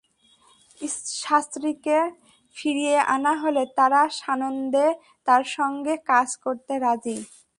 শাস্ত্রীকে ফিরিয়ে আনা হলে তারা সানন্দে তাঁর সঙ্গে কাজ করতে রাজি।